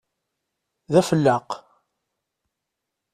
D afelleq!